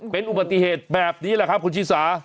เป็นอุบัติเหตุแบบนี้แหละครับคุณชิสา